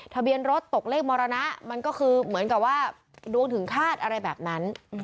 ทะเบียนรถตกเลขมรณะมันก็คือเหมือนกับว่าดวงถึงคาดอะไรแบบนั้น